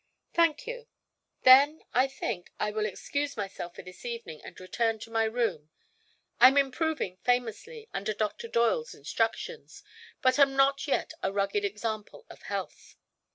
"Thank you. Then, I think, I will excuse myself for this evening and return to my room. I'm improving famously, under Dr. Doyle's instructions, but am not yet a rugged example of health."